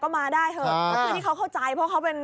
ก็มาได้เขาเข้าใจเพราะเขาเป็น